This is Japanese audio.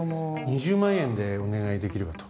２０万円でお願いできればと。